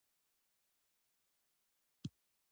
د راپورونو له مخې د امریکا ولسمشر